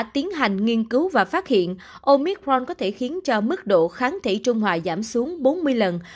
tiến hành nghiên cứu và phát hiện omicron có thể khiến cho mức độ kháng thể trung hòa giảm xuống bốn mươi lần